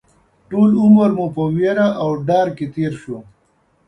ټول عمر مو په وېره او ډار کې تېر شو